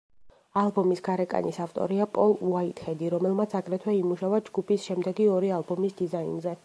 ალბომის გარეკანის ავტორია პოლ უაიტჰედი, რომელმაც აგრეთვე იმუშავა ჯგუფის შემდეგი ორი ალბომის დიზაინზე.